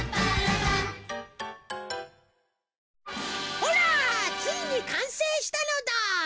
ほらついにかんせいしたのだ！